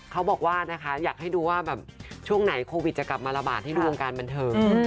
เขาบอกว่าอยากให้ดูว่าช่วงไหนโควิดจะกลับมาระบาดที่ดวงการบรรเทิง